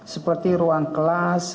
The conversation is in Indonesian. seperti ruang kelas